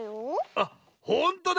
あっほんとだ！